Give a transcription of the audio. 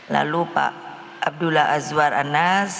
lalu pak abdullah azwar anas